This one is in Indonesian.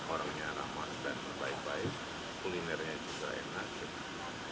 orangnya ramah dan baik baik kulinernya juga enak